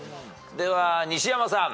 では西山さん。